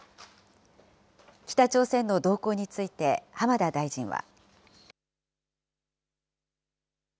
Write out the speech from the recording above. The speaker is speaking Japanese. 北朝鮮の動向について、浜田大臣は。